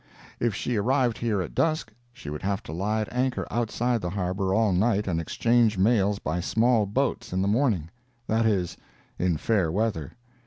If she arrived here at dusk she would have to lie at anchor outside the harbor all night and exchange mails by small boats in the morning—that is, in fair weather.